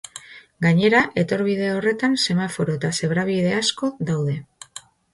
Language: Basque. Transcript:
Gainera, etorbide horretan semaforo eta zebra-bide asko daude.